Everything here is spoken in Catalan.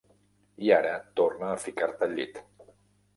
I ara torna a ficar-te al llit.